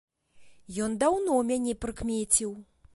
Ён даўно мяне прыкмеціў.